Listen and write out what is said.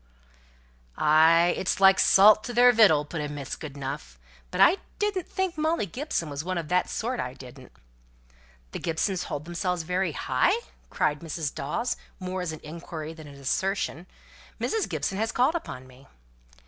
"Ay, it's like salt to their victual," put in Mrs. Goodenough. "But I didn't think Molly Gibson was one of that sort, I didn't." "The Gibsons hold themselves very high?" cried Mrs. Dawes, more as an inquiry than an assertion. "Mrs. Gibson has called upon me."